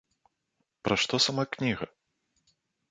Пра што сама кніга?